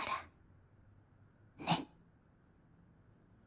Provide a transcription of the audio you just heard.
ねっ？